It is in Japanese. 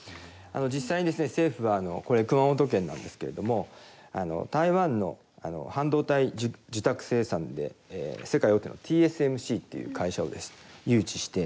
実際に政府はこれ熊本県なんですけれども台湾の半導体受託生産で世界大手のＴＳＭＣっていう会社をですね誘致して。